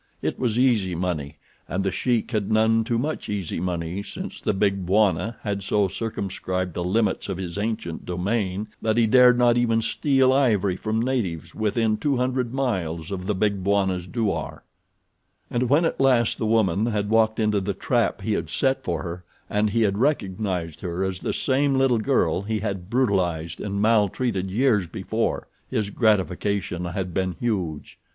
It was easy money and The Sheik had none too much easy money since the Big Bwana had so circumscribed the limits of his ancient domain that he dared not even steal ivory from natives within two hundred miles of the Big Bwana's douar. And when at last the woman had walked into the trap he had set for her and he had recognized her as the same little girl he had brutalized and mal treated years before his gratification had been huge.